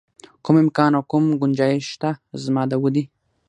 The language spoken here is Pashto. کوم امکان او کوم ګنجایش شته زما د ودې.